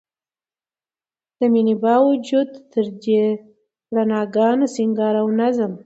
د مينې باوجود تر دې رڼاګانو، سينګار او نظم